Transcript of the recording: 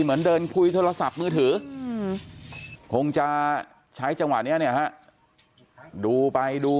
เหมือนเดินคุยโทรศัพท์มือถือคงจะใช้จังหวะนี้เนี่ยฮะดูไปดู